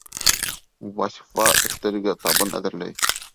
Вазифа өҫтәлгә табын әҙерләй.